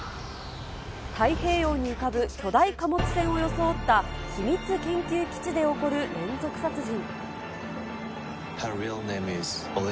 太平洋に浮かぶ巨大貨物船を装った秘密研究基地で起こる連続殺人。